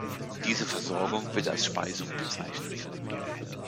Diese Versorgung wird als Speisung bezeichnet.